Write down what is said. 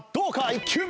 １球目。